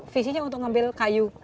visinya untuk ngambil kayu